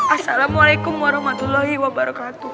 assalamualaikum warahmatullahi wabarakatuh